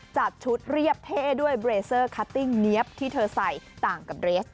จัดชุดเรียบเท่ด้วยเบรเซอร์คัตติ้งเนี๊ยบที่เธอใส่ต่างกับเรส